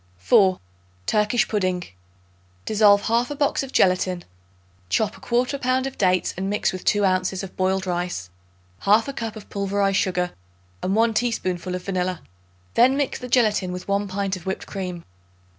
4. Turkish Pudding. Dissolve 1/2 box of gelatin; chop 1/4 pound of dates and mix with 2 ounces of boiled rice, 1/2 cup of pulverized sugar and 1 teaspoonful of vanilla; then mix the gelatin with 1 pint of whipped cream.